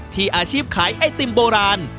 อาชีพขายไอติมโบราณ